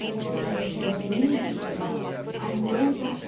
You do not want me, you say? I know that!